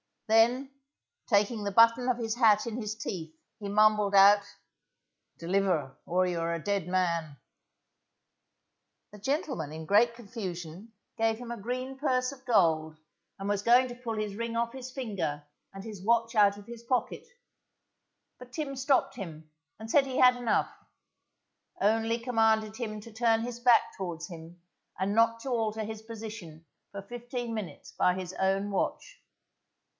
Then, taking the button of his hat in his teeth, he mumbled out, Deliver or you're a dead man. The gentleman in great confusion gave him a green purse of gold, and was going to pull his ring off from his finger, and his watch out of his pocket, but Tim stopped him and said he had enough, only commanded him to turn his back towards him, and not to alter his position for fifteen minutes by his own watch.